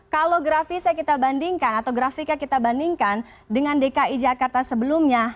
kalau grafisnya kita bandingkan atau grafiknya kita bandingkan dengan dki jakarta sebelumnya